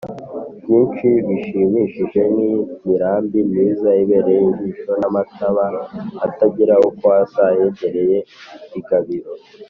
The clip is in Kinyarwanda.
byinshi bishimishije nk’imirambi myiza ibereye ijisho n’amataba atagira uko asa ahegereye i gabiro